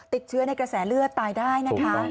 ติดเชื้อในกระแสเลือดตายได้นะคะ